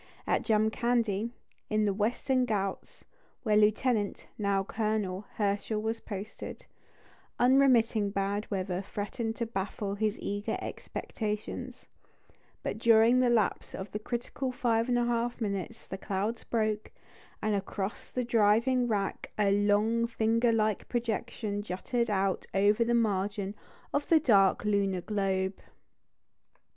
At Jamkandi, in the Western Ghauts, where Lieutenant (now Colonel) Herschel was posted, unremitting bad weather threatened to baffle his eager expectations; but during the lapse of the critical five and a half minutes the clouds broke, and across the driving wrack a "long, finger like projection" jutted out over the margin of the dark lunar globe.